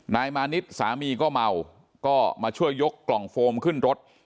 นายมานิดสามีก็เมาก็มาช่วยยกกล่องโฟมขึ้นรถ